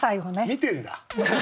見てんだ。